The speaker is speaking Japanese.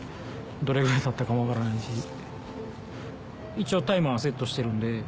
一応タイマーはセットしてるんで。